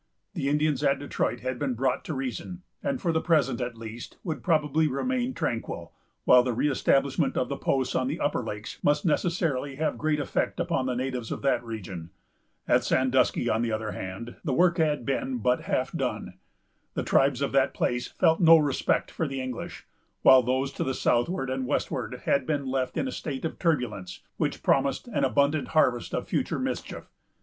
The Indians at Detroit had been brought to reason, and for the present, at least, would probably remain tranquil; while the re establishment of the posts on the upper lakes must necessarily have great effect upon the natives of that region. At Sandusky, on the other hand, the work had been but half done. The tribes of that place felt no respect for the English; while those to the southward and westward had been left in a state of turbulence, which promised an abundant harvest of future mischief.